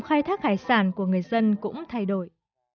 khai thác hải sản của người dân cũng thay đổi